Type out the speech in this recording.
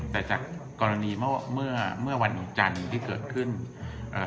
แต่จากกรณีเมื่อเมื่อวันจันทร์ที่เกิดขึ้นเอ่อ